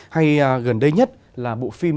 hay gần đây nhất là bộ phim